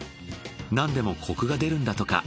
なんでもコクが出るんだとか。